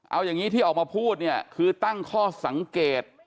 เอาอย่างนี้ที่ออกมาพูดเนี่ยคือตั้งข้อสังเกต